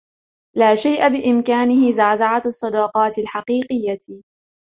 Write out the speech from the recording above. لا شيء بامكانه زعزعة الصداقات الحقيقية.